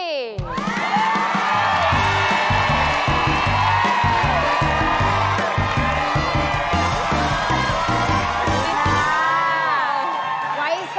สวัสดีค่ะ